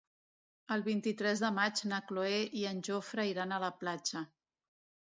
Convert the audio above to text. El vint-i-tres de maig na Cloè i en Jofre iran a la platja.